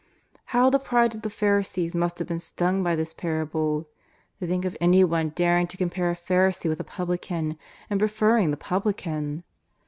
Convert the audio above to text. '' How the pride of the Pharisees must have been stung by this parable! To think of anyone daring to com pare a Pharisee with a publican, and preferring the publican!